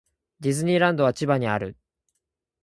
ディズニーランドは千葉にある。